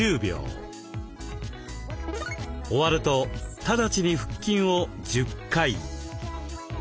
終わるとただちに腹筋を１０回。